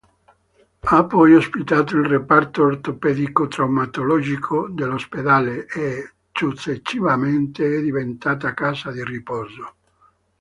Ha poi ospitato il reparto ortopedico-traumatologico dell'ospedale e, successivamente, è diventata casa di riposo.